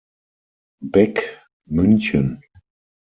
Beck, München.